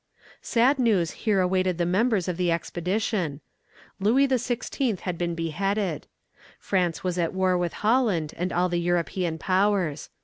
] Sad news here awaited the members of the expedition. Louis XVI. had been beheaded. France was at war with Holland and all the European powers.